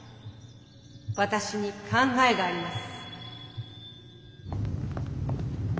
私に考えがあります。